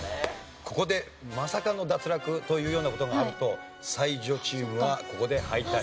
ここでまさかの脱落というような事があると才女チームはここで敗退。